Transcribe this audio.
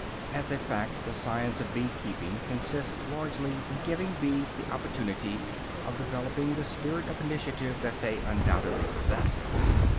As a fact, the science of bee keeping consists largely in giving the bees the opportunity of developing the spirit of initiative that they undoubtedly possess.